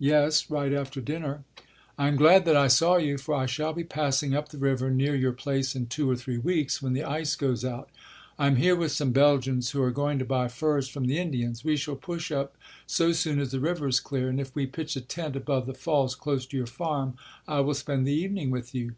"Yes; right after dinner." "I am glad that I saw you, for I shall be passing up the river near your place in two or three weeks, when the ice goes out. I am here with some Belgians who are going to buy furs from the Indians; we shall push up so soon as the river is clear, and if we pitch a tent above the falls close to your farm I will spend the evening with you."